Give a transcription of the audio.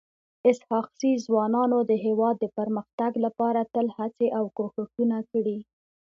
اسحق زي ځوانانو د هيواد د پرمختګ لپاره تل هڅي او کوښښونه کړي.